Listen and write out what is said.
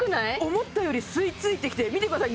思ったより吸い付いてきて見てください